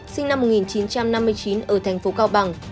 sinh năm một nghìn chín trăm năm mươi chín ở tp cao bằng